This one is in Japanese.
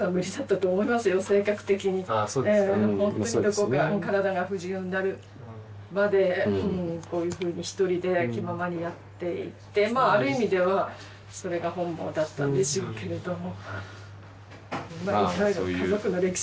ほんとにどこか体が不自由になるまでこういうふうにひとりで気ままにやっていってまあある意味ではそれが本望だったんでしょうけれども。